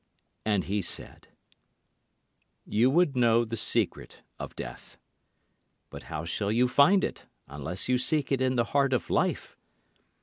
And he said: You would know the secret of death. But how shall you find it unless you seek it in the heart of life?